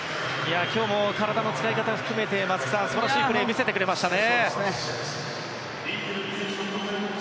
今日も体の使い方も含め素晴らしいプレーを見せてくれましたね。